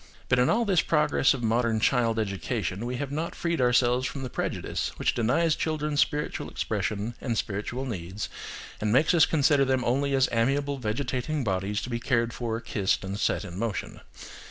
But in all this progress of modern child education, we have not freed ourselves from the prejudice which denies children spiritual expression and spiritual needs, and makes us consider them only as amiable vegetating bodies to be cared for, kissed, and set in motion.